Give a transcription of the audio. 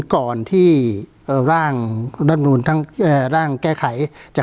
ก็คงจะเป็นการแสดงความคิดเห็น